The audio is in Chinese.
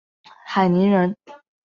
海宁人。